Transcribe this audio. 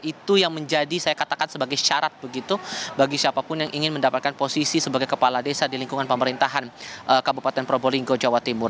itu yang menjadi saya katakan sebagai syarat begitu bagi siapapun yang ingin mendapatkan posisi sebagai kepala desa di lingkungan pemerintahan kabupaten probolinggo jawa timur